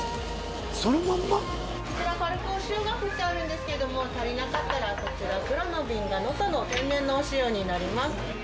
こちら軽くお塩が振ってあるんですけれども足りなかったらこちら黒の瓶が能登の天然のお塩になります。